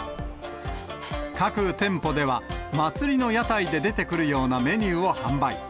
各店舗では、祭りの屋台で出てくるようなメニューを販売。